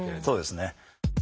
そうですね。